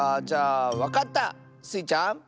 じゃあわかった！スイちゃん。